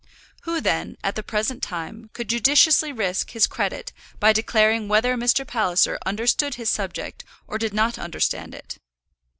Who, then, at the present time, could judiciously risk his credit by declaring whether Mr. Palliser understood his subject or did not understand it?